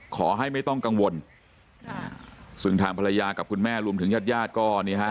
ขอให้ไม่ต้องกังวลซึ่งทางภรรยากับคุณแม่รวมถึงญาติญาติก็นี่ฮะ